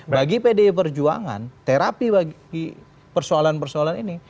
bagi pdi perjuangan terapi bagi persoalan persoalan ini